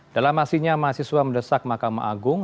dalam aksinya mahasiswa mendesak mahkamah agung